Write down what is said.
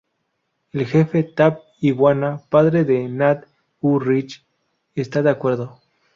El jefe Tab-y-wana, padre de Nat-u-ritch, está de acuerdo.